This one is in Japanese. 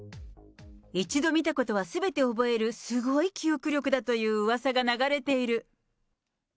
一度見たことはすべて覚えるすごい記憶力だといううわさが流れている。